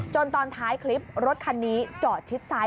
ตอนท้ายคลิปรถคันนี้จอดชิดซ้าย